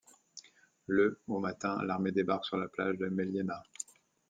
Le au matin, l'armée débarque sur la plage de Mellieħa.